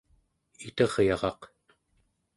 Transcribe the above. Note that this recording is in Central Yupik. iteryaraq